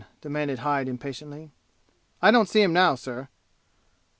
demanded Hyde impatiently. "I don't see him now, sir!"